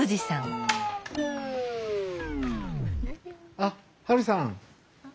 あっハルさん。